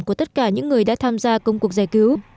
của tất cả những người đã tham gia công cuộc giải cứu